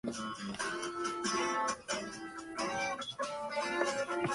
El paseo tiene hoy en día una amplia avenida y un amplio espacio peatonal.